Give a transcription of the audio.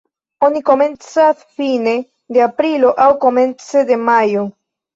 Oni komencas fine de aprilo aŭ komence de majo.